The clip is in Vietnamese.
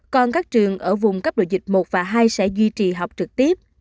còn các trường ở vùng cấp độ dịch một và hai sẽ duy trì học trực tiếp